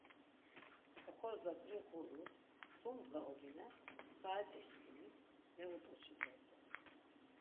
Oxorza p̌ri ğuru sum ndğa ogine saet̆işǩimi mevut̆oçi dort̆u.